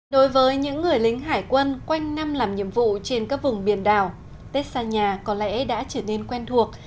đối với những người lính hải quân quanh năm làm nhiệm vụ trên các vùng biển đảo tết xa nhà có lẽ đã trở nên quen thuộc